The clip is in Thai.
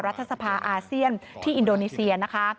รัฐสภาอาเซียนที่อินโดนีเซียนะคะ